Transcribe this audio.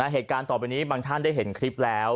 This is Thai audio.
เหตุการณ์ต่อไปนี้บางท่านได้เห็นคลิปแล้ว